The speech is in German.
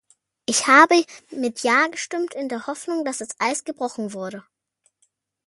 Ich habe mit Ja gestimmt, in der Hoffnung, dass das Eis gebrochen wurde.